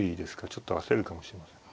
ちょっと焦るかもしれません。